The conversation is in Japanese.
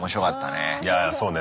いやいやそうね。